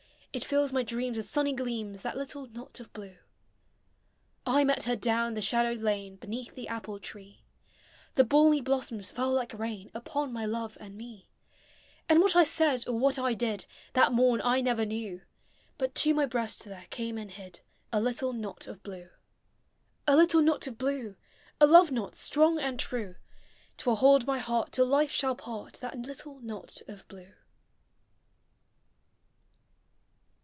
It fills my dreams with sunny gleams, — That little knot of blue. I met her down the shadowed lane, Beneath the apple tree, The balmy blossoms fell like rain Upon my love and me: And what I said or what 1 did That morn I never knew, But to my breast there came and hid A little knot of blue. A little knot of blue, A love knot strong and true, T will hold my heart till life shall part — That little knot of blue.